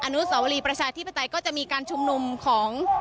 อนุสวรีประชาธิปไตยก็จะมีการชุมนุมของ